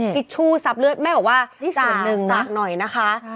นี่ซิชู้ซับเลือดแม่บอกว่าจ๋าฝักหน่อยนะคะ